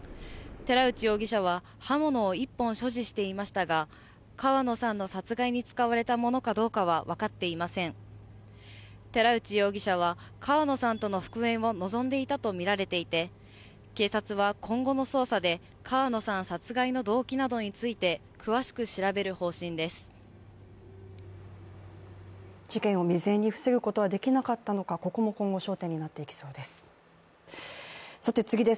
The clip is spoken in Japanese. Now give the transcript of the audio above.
寺内容疑者は川野さんとの復縁を望んでいたとみられていて警察は今後の捜査で川野さん殺害の動機などについて詳しく調べる方針です。